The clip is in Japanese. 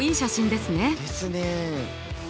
ですね。